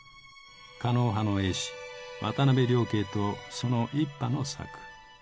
狩野派の絵師・渡辺了慶とその一派の作。